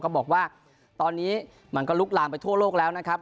บอกว่าตอนนี้มันก็ลุกลามไปทั่วโลกแล้วนะครับ